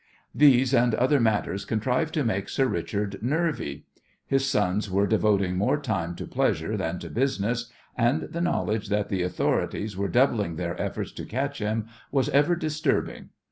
These and other matters contrived to make "Sir Richard" nervy. His sons were devoting more time to pleasure than to business, and the knowledge that the authorities were doubling their efforts to catch him was ever disturbing.